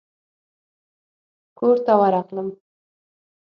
کورته ورغلم.